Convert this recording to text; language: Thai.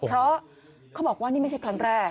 เพราะเขาบอกว่านี่ไม่ใช่ครั้งแรก